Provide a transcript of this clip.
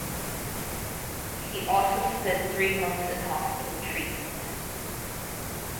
He also spent three months in hospital treatment.